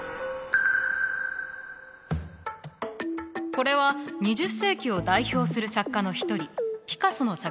これは２０世紀を代表する作家の一人ピカソの作品よ。